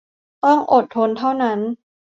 ต้องอดทนเท่านั้น